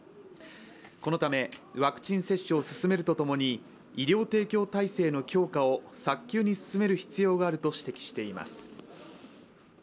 このためワクチン接種を進めるとともに医療提供体制の強化を早急に進める必要があると指摘しています。